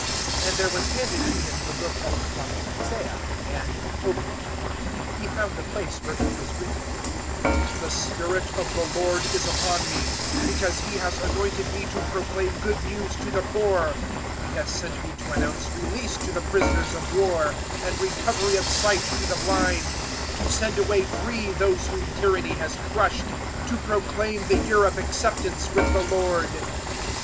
004:017 And there was handed to Him the book of the Prophet Isaiah, and, opening the book, He found the place where it was written, 004:018 "The Spirit of the Lord is upon me, because He has anointed me to proclaim Good News to the poor; He has sent me to announce release to the prisoners of war and recovery of sight to the blind: to send away free those whom tyranny has crushed, 004:019 to proclaim the year of acceptance with the Lord."